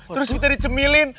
terus kita dicemilin